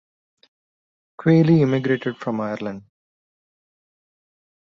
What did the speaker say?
Quealy immigrated from Ireland.